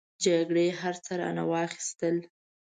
جګړې هر څه رانه واخستل.